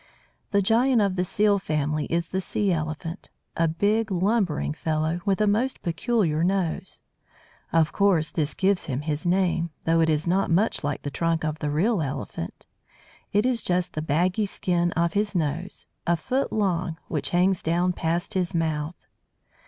The giant of the Seal family is the Sea elephant; a big lumbering fellow, with a most peculiar nose. Of course this gives him his name, though it is not much like the trunk of the real elephant. It is just the baggy skin of his nose, a foot long, which hangs down past his mouth.